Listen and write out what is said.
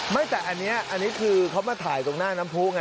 ไม่แต่อันนี้อันนี้คือเขามาถ่ายตรงหน้าน้ำผู้ไง